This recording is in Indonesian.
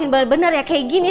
ngasih balik bener ya kayak gini